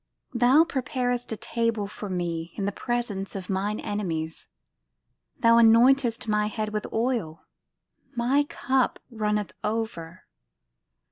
Thou preparest a table for me In the presence of mine enemies. Thou anointest my head with oil; My cup runneth over.